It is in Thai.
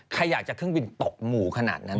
ใครอยากจะเครื่องบินตกหมู่ขนาดนั้น